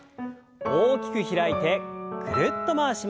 大きく開いてぐるっと回します。